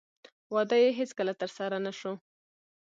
واده یې هېڅکله ترسره نه شو.